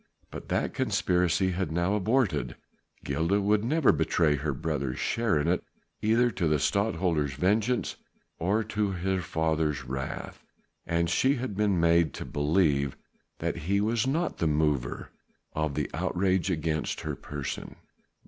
But that conspiracy had now aborted; Gilda would never betray her brother's share in it either to the Stadtholder's vengeance or to her father's wrath. And she had been made to believe that he was not the mover in the outrage against her person.